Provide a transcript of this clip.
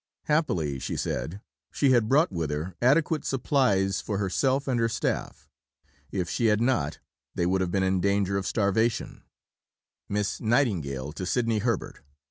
Happily, she said, she had brought with her adequate supplies for herself and her staff. If she had not, they would have been in danger of starvation: (_Miss Nightingale to Sidney Herbert.